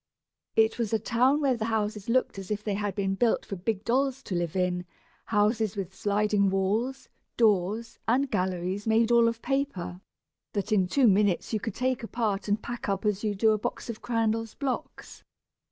It was a town where the houses looked as if they had been built for big dolls to live in. Houses with sliding walls, doors, and galleries made all of paper, that in two minutes you could take apart and pack up as you do a box of Crandall's blocks.